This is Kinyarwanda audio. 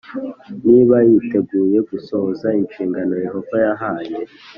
niba yiteguye gusohoza inshingano Yehova yahaye